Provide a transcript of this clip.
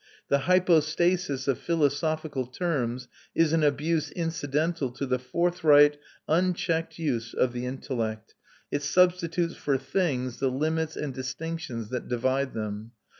The hypostasis of philosophical terms is an abuse incidental to the forthright, unchecked use of the intellect; it substitutes for things the limits and distinctions that divide them.